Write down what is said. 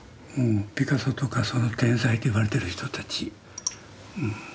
ピカソとかその天才といわれてる人たち。